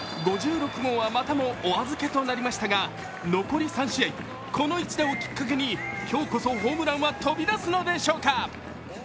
５６号はまたもお預けとなりましたが残り３試合、この１打をきっかけに今日こそホームランは飛び出すのでしょうか。